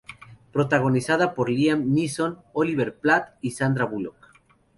Protagonizada por Liam Neeson, Oliver Platt y Sandra Bullock.